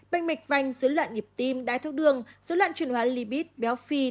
bệnh mệch vành dưới loạn nhịp tim đai thốc đường dưới loạn truyền hóa lipid béo phi